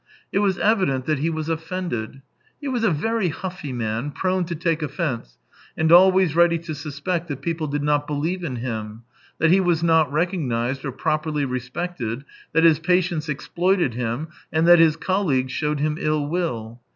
It was evident that he was offended. He was a very huffy man, prone to take offence, and always ready to suspect that people did not believe in him, that he was not recognized or properly respected, that his patients exploited him, and that his colleagues showed him ill will.